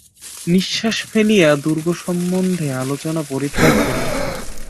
নিশ্বাস ফেলিয়া দুর্গ সম্বন্ধে আলোচনা পরিত্যাগ করিলেন।